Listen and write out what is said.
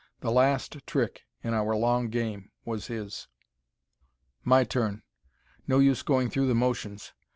The last trick in our long game was his. My turn. No use going through the motions.